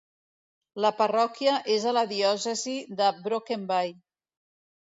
La parròquia és a la diòcesi de Broken Bay.